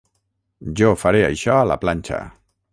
Jo faré això a la planxa.